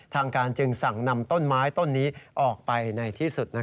ทางการจึงสั่งนำต้นไม้ต้นนี้ออกไปในที่สุด